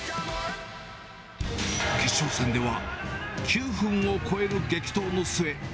決勝戦では、９分を超える激闘の末。